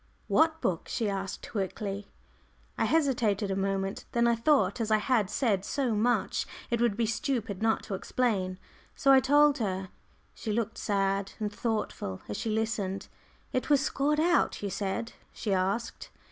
"What book?" she asked, quickly. I hesitated a moment. Then I thought as I had said so much it would be stupid not to explain. So I told her. She looked sad and thoughtful as she listened. "It was scored out, you said?" she asked.